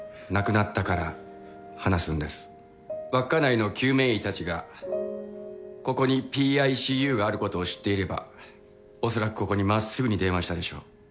稚内の救命医たちがここにＰＩＣＵがあることを知っていればおそらくここに真っすぐに電話したでしょう。